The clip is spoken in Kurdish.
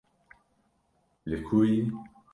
li ku yî